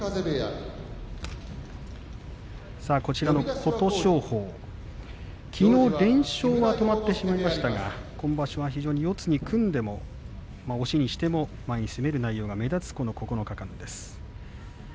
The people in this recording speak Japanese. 琴勝峰、きのう連勝は止まってしまいましたが今場所は四つに組んでも押しにしても前に出る内容が目立つこの９日間です。